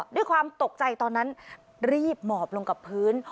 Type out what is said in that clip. ด้วยความตกใจตอนนั้นรีบหมอบลงกับพื้น